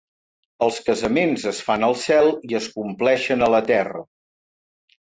Els casaments es fan al cel i es compleixen a la terra.